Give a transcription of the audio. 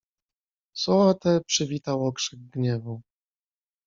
"Słowa te przywitał okrzyk gniewu."